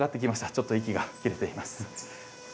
ちょっと息が切れています。